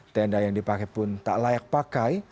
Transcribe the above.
tenda yang dipakai pun tak layak pakai